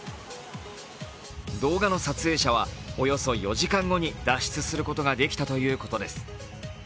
動画の撮影者は、およそ４時間後に脱出することができたということです。